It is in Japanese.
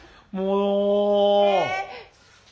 もう。